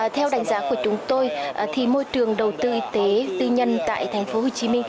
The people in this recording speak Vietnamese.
theo đánh giá của chúng tôi môi trường đầu tư y tế tư nhân tại tp hcm